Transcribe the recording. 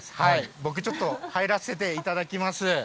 僕ちょっと、入らせていただきます。